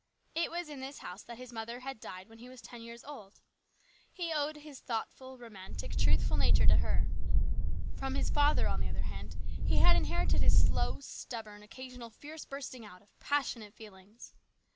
It was in this house that his mother had died when he was ten years old. He owed his thoughtful, romantic, truthful nature to her. From his father, on the other hand, he had inherited his slow, stubborn, occasional fierce bursting out of passionate feelings.